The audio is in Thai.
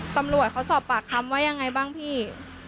ตำรวจเขาสอบปากคำว่ายังไงบ้างพี่